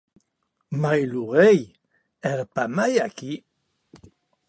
Mès eth rei ja non ère aquiu.